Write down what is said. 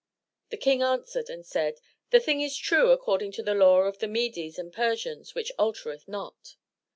The King answered and said: "The thing is true according to the law of the Medes and Persians which altereth not."